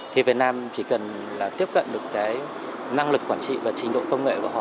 thì việt nam chỉ cần là tiếp cận được cái năng lực quản trị và trình độ công nghệ của họ